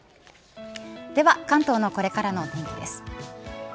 では関東のこれからのお天気です。